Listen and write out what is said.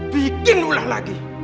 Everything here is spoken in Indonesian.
bikin ulah lagi